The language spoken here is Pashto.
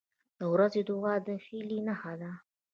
• د ورځې دعا د هیلې نښه ده.